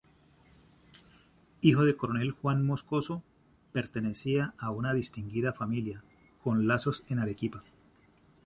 Hijo del coronel Juan Moscoso, pertenecía a una distinguida familia, con lazos en Arequipa.